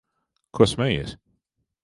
Ko smejies?